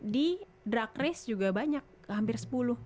di drag race juga banyak hampir sepuluh